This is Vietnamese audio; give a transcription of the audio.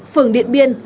phường điện biên